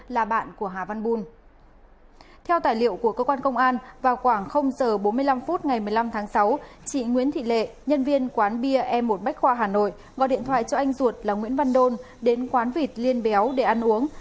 từ giờ bốn mươi năm phút ngày một mươi năm tháng sáu chị nguyễn thị lệ nhân viên quán bia e một bách khoa hà nội gọi điện thoại cho anh ruột là nguyễn văn đôn đến quán vịt liên béo để ăn uống